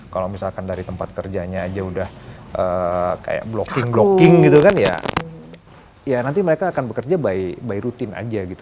kalau misalkan dari tempat kerjanya aja udah kayak blocking blocking gitu kan ya nanti mereka akan bekerja by rutin aja gitu